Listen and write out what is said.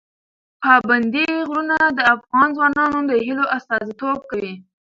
پابندی غرونه د افغان ځوانانو د هیلو استازیتوب کوي.